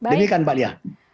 ini kan pak lia